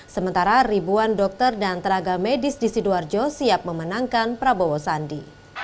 sementara ribuan dokter dan tenaga medis di sidoarjo siap memenangkan prabowo sandi